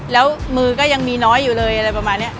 แล้วมือก็ยังมีน้อยอยู่เลยอะไรประมาณนี้